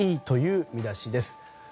ＸＥという見出しです。